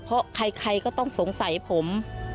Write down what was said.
เพราะใครก็ต้องสงสัยผม